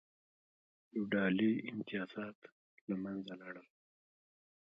فیوډالي امتیازات له منځه لاړل.